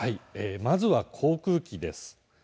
まずは航空機です。